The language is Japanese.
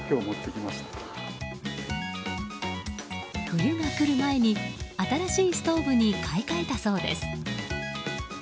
冬が来る前に新しいストーブに買い換えたそうです。